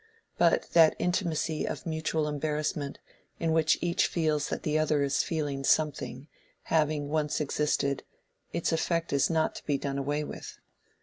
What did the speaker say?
But that intimacy of mutual embarrassment, in which each feels that the other is feeling something, having once existed, its effect is not to be done away with.